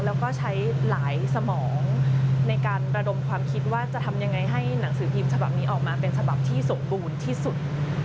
แล้วก็ใช้หลายสมองในการระดมความคิดว่าจะทำยังไงให้หนังสือพิมพ์ฉบับนี้ออกมาเป็นฉบับที่สมบูรณ์ที่สุด